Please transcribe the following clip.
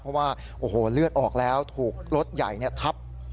เพราะว่าโอ้โหเลือดออกแล้วถูกรถใหญ่ทับ